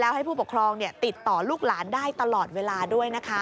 ให้ผู้ปกครองติดต่อลูกหลานได้ตลอดเวลาด้วยนะคะ